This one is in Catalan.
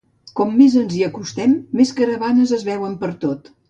Com més ens hi acostem, més caravanes es veuen pertot.